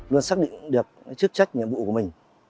luôn xác định được chức trách nhiệm vụ của mình